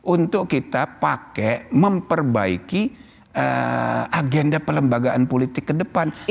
untuk kita pakai memperbaiki agenda pelembagaan politik ke depan